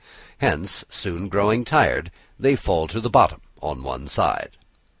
Hence, soon growing tired, they fall to the bottom on one side.